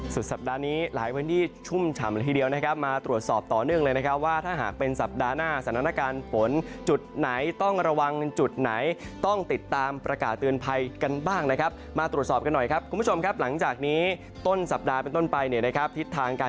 สุดสัปดาห์นี้หลายพื้นที่ชุ่มฉ่ำละทีเดียวนะครับมาตรวจสอบต่อเนื่องเลยนะครับว่าถ้าหากเป็นสัปดาห์หน้าสถานการณ์ฝนจุดไหนต้องระวังจุดไหนต้องติดตามประกาศเตือนภัยกันบ้างนะครับมาตรวจสอบกันหน่อยครับคุณผู้ชมครับหลังจากนี้ต้นสัปดาห์เป็นต้นไปเนี่ยนะครับทิศทางการ